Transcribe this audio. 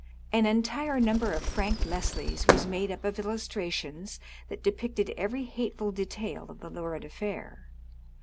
An entire number of J^arJc Ledi^s was made up of illustrations that depicted every hateful detail of the lurid affair.